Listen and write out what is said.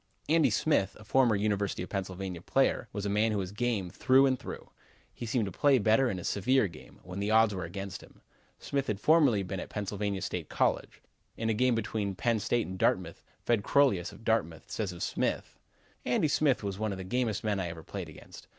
Andy Smith, a former University of Pennsylvania player, was a man who was game through and through. He seemed to play better in a severe game, when the odds were against him. Smith had formerly been at Pennsylvania State College. In a game between Penn' State and Dartmouth, Fred Crolius, of Dartmouth, says of Smith: "Andy Smith was one of the gamest men I ever played against.